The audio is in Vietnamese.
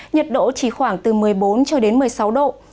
nhiệt độ chỉ khoảng từ một mươi bốn cho đến một mươi sáu độ